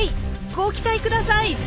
ご期待ください。